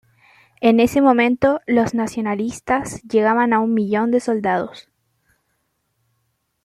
En ese momento los nacionalistas llegaban a un millón de soldados.